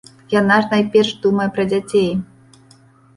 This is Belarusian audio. Яна ж найперш думае пра дзяцей.